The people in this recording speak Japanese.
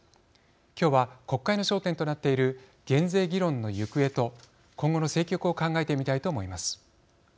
今日は、国会の焦点となっている減税議論の行方と今後の政局を考えてみたいと思います。